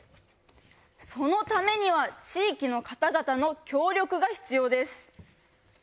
そのためには地域の方々の協力が必要です。